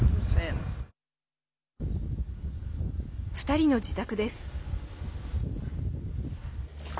２人の自宅です。